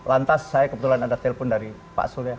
lantas saya kebetulan ada telpon dari pak surya